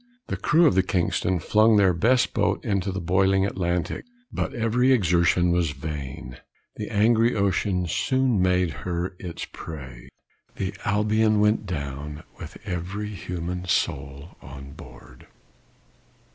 The crew of the Kingston flung their best boat into the boiling Atlantic, but every exertion was vain the angry ocean soon made her its prey. The Albion went down with every human soul on board."